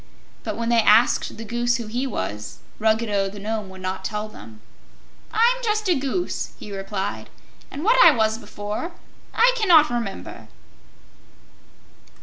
But when they asked the Goose who he was, Ruggedo the Nome would not tell them. "I'm just a Goose," he replied, "and what I was before, I cannot remember."